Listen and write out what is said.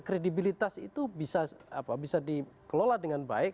kredibilitas itu bisa dikelola dengan baik